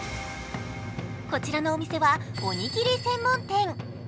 こちらのお店はおにぎり専門店。